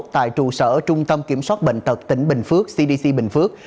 tại trụ sở trung tâm kiểm soát bệnh tật tỉnh bình phước cdc bình phước